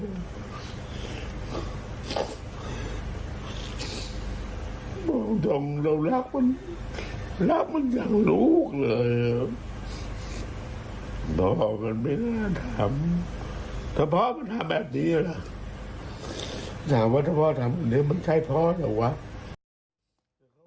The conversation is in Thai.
เรารักมันอย่างลูกเลยเดาก็ไม่นะถ้าพอดมันทำแบบนี้ล่ะถ้าพอโดยทำแบบนี้มันใช้พอดเหรอวะ